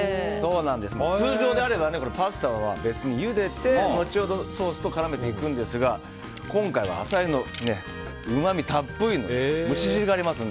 通常であればパスタは別にゆでて後ほど、ソースと絡めますが今回はアサリのうまみたっぷりの蒸し汁がありますんで。